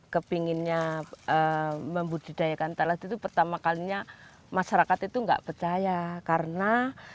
kepinginnya membudidayakan talas ini atau menjadikan talas ini menjadi sukses bagaimana